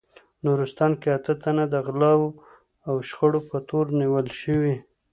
نورستان کې اته تنه د غلاوو او شخړو په تور نیول شوي